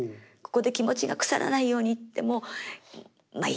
ここで気持ちがくさらないようにってもう。